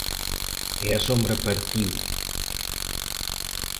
E a sombra partiu.